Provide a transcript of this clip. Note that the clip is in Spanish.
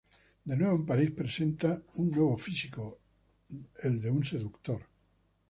De nuevo en París, presenta un nuevo físico, el de un seductor.